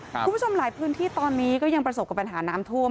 คุณผู้ชมหลายพื้นที่ตอนนี้ก็ยังประสบกับปัญหาน้ำท่วม